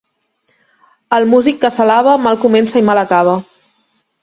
El músic que s'alaba, mal comença i mal acaba.